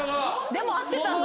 でも合ってたんだ？